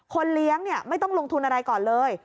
เลี้ยงไม่ต้องลงทุนอะไรก่อนเลย